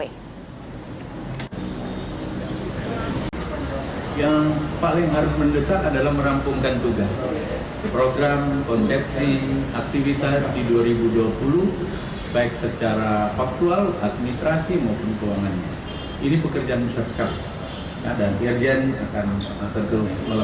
yang paling harus mendesak adalah merampungkan tugas